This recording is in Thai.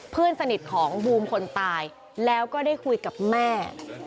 เพื่อนสนิทของบูมคนตายแล้วก็ได้คุยกับแม่